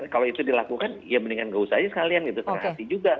kalau itu dilakukan ya mendingan gak usah saja sekalian karena nanti juga